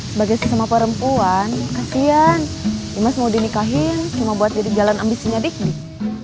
sebagai sesama perempuan kasihan imes mau dinikahin cuma buat jadi jalan ambisinya dik dik